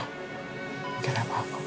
gak ada apa apa